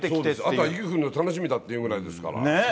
あとは雪降るのが楽しみだっていうくらいだから。